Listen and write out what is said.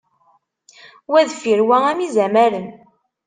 Wa deffir wa am izamaren.